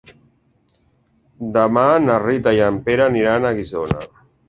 Demà na Rita i en Pere aniran a Guissona.